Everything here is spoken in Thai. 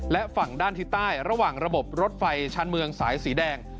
และฝั่งด้านทิศใต้ระหว่างระบบรถไฟชั้นเมืองสายสีแดง